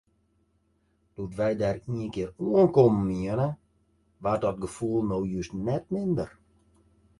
Doe't wy dêr ienkear oankommen wiene, waard dat gefoel no just net minder.